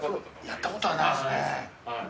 やったことはないよね。